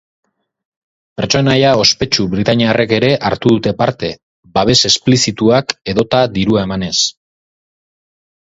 Pertsonaia ospetsu britainiarrek ere hartu dute parte, babes esplizituak edota dirua emanez.